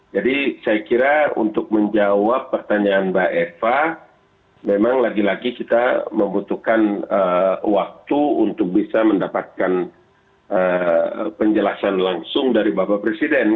jadi saya kira untuk menjawab pertanyaan mbak eva memang lagi lagi kita membutuhkan waktu untuk bisa mendapatkan penjelasan langsung dari bapak presiden